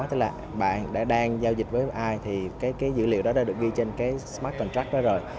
tức là bạn đã đang giao dịch với ai thì cái dữ liệu đó đã được ghi trên cái smart inc đó rồi